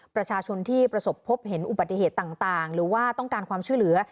ประชาชนที่ประสบพบเห็นอุบัติเหตุต่างหรือว่าต้องการความช่วยเหลือ